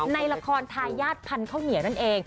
ในละครทายาทพันธุ์ข้าวเหนียวนั่นเอง